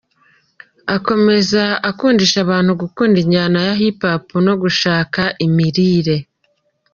Akomeza akundisha abantu gukunda injyana ya Hip Hop no gushaka imirire.